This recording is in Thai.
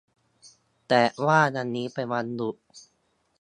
แต่ว่าวันนี้เป็นวันหยุด